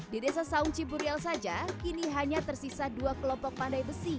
di desa saung ciburial saja kini hanya tersisa dua kelompok pandai besi